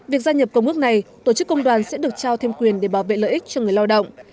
việc gia nhập công ước này tổ chức công đoàn sẽ được trao thêm quyền để bảo vệ lợi ích cho người lao động